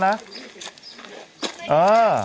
เออ